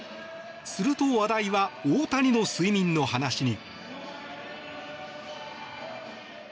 すると話題は大谷の睡眠の話に。